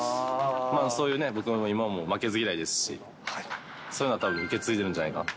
そういうね、僕も今も負けず嫌いですし、そういうのはたぶん受け継いでるんじゃないかなと。